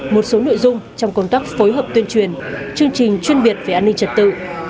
một số nội dung trong công tác phối hợp tuyên truyền chương trình chuyên biệt về an ninh trật tự